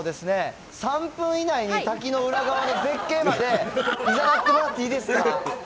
なんとかお父様を３分以内に滝の裏側の絶景までいざなってもらっていいですか？